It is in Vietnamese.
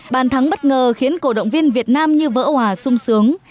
bàn thắng bất ngờ khiến cổ động viên việt nam như vỡ hòa sung sướng